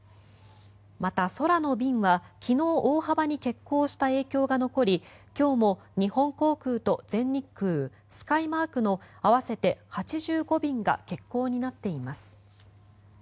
また、空の便は昨日大幅に欠航した影響が残り今日も日本航空と全日空スカイマークの合わせて８５便が欠航になっています。